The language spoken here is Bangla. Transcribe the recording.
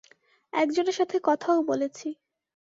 একজনের সাথে কথাও বলেছি!